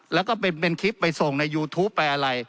แล้วก็เป็นคลิปไปส่งในยูทูปไปอะไร